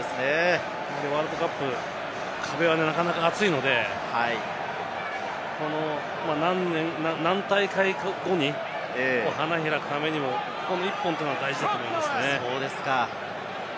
ワールドカップの壁はなかなか厚いので、何大会か後に花開くためにもこの１本というのは大事だと思いますね。